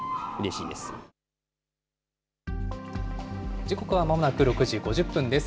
時刻はまもなく６時５０分です。